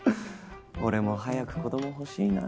俺も早く子供欲しいな。